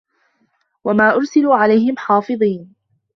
وَما أُرسِلوا عَلَيهِم حافِظينَ